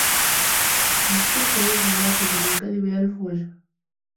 للصدق وجه واحد وللكذب ألف وجه.